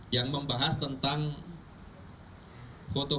yang membahas tentang foto foto